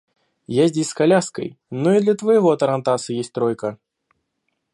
Я здесь с коляской, но и для твоего тарантаса есть тройка.